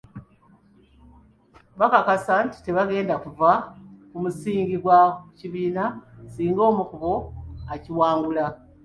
Bakakasa nti tebagenda kuva ku musingi gwa kibiina singa omu ku bbo akiwangula.